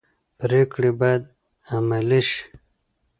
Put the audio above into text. پریکړې باید عملي شي